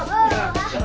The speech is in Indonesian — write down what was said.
terima kasih om